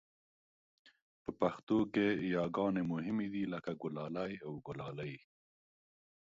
په پښتو کې یاګانې مهمې دي لکه ګلالی او ګلالۍ